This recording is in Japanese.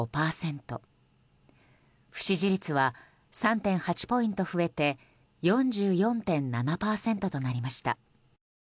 不支持率は３．８ポイント増えて４４．７％となりました。